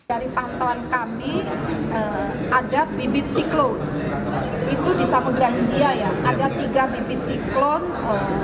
dari pantauan kami ada bibit siklon